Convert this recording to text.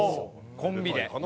コンビで。